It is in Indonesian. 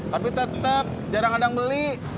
tapi tetep jarang kadang beli